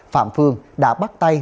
phạm phương đã bắt tay